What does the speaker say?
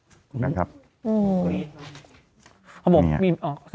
สำหรับโควิดพีไป